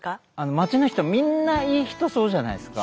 町の人みんないい人そうじゃないですか。